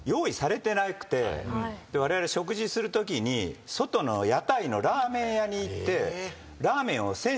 われわれ食事するときに外の屋台のラーメン屋に行って。